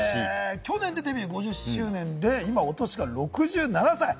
去年デビュー５０周年で、今お年が６７歳。